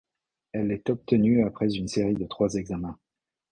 Elle est obtenue après une série de trois examens.